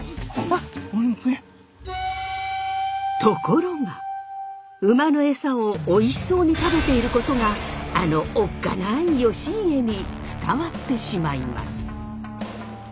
ところが馬のエサをおいしそうに食べていることがあのおっかない義家に伝わってしまいます。